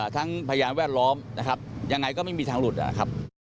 พยานแวดล้อมนะครับยังไงก็ไม่มีทางหลุดนะครับ